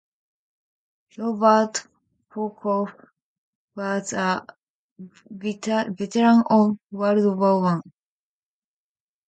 Robert Folkoff was a veteran of World War One.